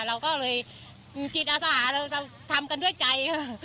เราก็เลยมีจิตอาสาเราทำกันด้วยใจ